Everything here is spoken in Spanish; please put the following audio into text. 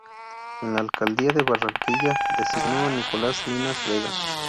En la alcaldía de Barranquilla designó a Nicolás Llinás Vega.